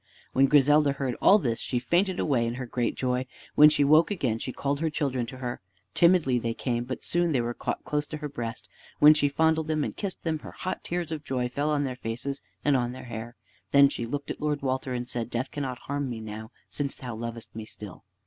When Griselda heard all this she fainted away in her great joy. When she woke again she called her children to her. Timidly they came, but soon they were caught close to her breast. While she fondled them, and kissed them, her hot tears of joy fell on their fair faces, and on their hair. Then she looked at Lord Walter, and said, "Death cannot harm me now, since thou lovest me still."